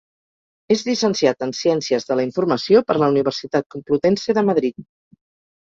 És llicenciat en Ciències de la Informació per la Universitat Complutense de Madrid.